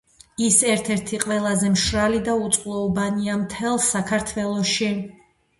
ის ერთ-ერთი ყველაზე მშრალი და უწყლო უბანია მთელ საქართველოში.